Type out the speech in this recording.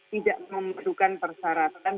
tidak membutuhkan persyaratan